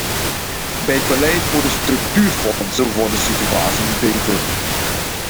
Bij het beleid voor de structuurfondsen wordt de situatie nu beter.